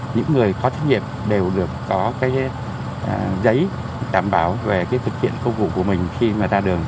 những người có trách nhiệm đều được có cái giấy đảm bảo về cái thực hiện công vụ của mình khi mà ra đường